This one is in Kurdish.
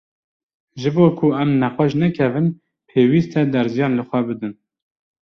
ji bo ku em nexweş nekevin, pêwîst e derziyan li xwe bidin.